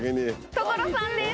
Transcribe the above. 所さんです。